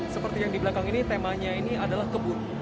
seperti yang di belakang ini temanya ini adalah kebun